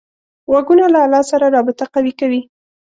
غوږونه له الله سره رابطه قوي کوي